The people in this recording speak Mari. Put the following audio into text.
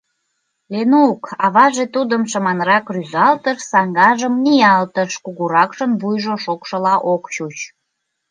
— Ленук! — аваже тудым шыманрак рӱзалтыш, саҥгажым ниялтыш: кугуракшын вуйжо шокшыла ок чуч.